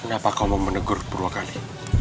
kenapa kau memenegur purwagali